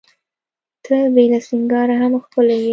ته بې له سینګاره هم ښکلي یې.